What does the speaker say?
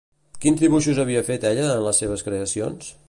Quins dibuixos havia fet ella en les seves creacions?